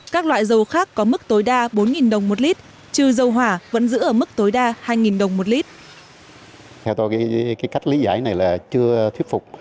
các loại dầu khác có mức tối đa bốn đồng một lít trừ dầu hỏa vẫn giữ ở mức tối đa hai đồng một lít